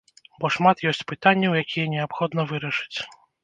Бо шмат ёсць пытанняў, якія неабходна вырашыць.